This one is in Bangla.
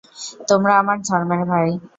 তোমরা আমার ধর্মের ভাই।